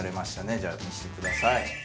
じゃあ見してください